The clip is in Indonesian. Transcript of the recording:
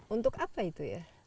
untuk apa itu ya